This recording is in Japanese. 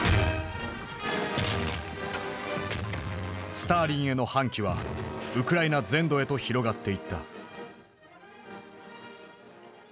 スターリンへの反旗はウクライナ全土へと広がっていった。